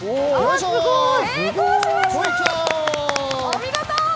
お見事！